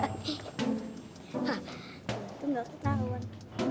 hah itu enggak ketahuan